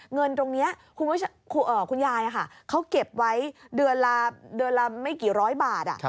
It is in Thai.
เงินตรงนี้คุณยายเขาเก็บไว้เดือนละไม่กี่ร้อยบาท